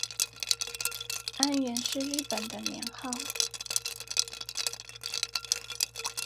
安元是日本的年号。